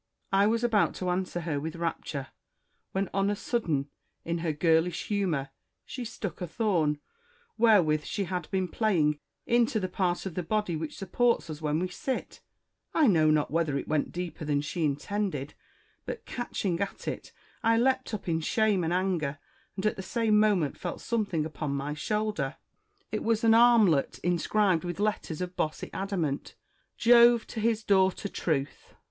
I was about to answer her with rapture, when on a sudden, in her girlish humour, she stuck a thorn, wherewith she had been playing, into that part of the body which supports us when we sit I know not whether it went deeper than she intended, but catching at it, I leaped up in shame and anger, and at the same moment felt something upon my shoulder. It was an 344 IMA GINAR Y CONVERSA TIONS. armlet inscribed with letters of bossy adamant, 'Jove to his daughter Truth.'